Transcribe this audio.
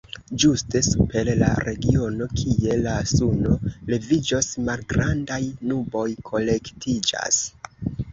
Ĝuste super la regiono, kie la suno leviĝos, malgrandaj nuboj kolektiĝas.